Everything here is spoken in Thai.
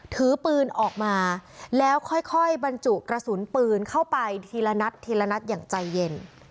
ถือปืนออกมาแล้วค่อยบรรจุกระสุนปืนเข้าไปทีละนัดทีละนัดอย่างใจเย็น